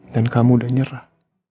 dan kamu udah nyerah